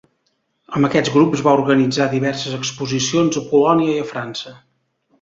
Amb aquests grups va organitzar diverses exposicions a Polònia i França.